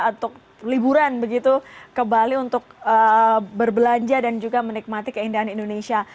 untuk liburan begitu ke bali untuk berbelanja dan juga menikmati keindahan indonesia